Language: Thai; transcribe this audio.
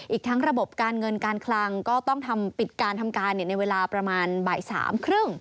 อีกทั้งระบบการเงินการคลังก็ต้องทำปิดการทำการในเวลาประมาณบ่ายสามครึ่ง